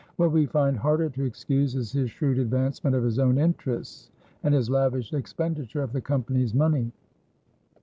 What we find harder to excuse is his shrewd advancement of his own interests and his lavish expenditure of the Company's money.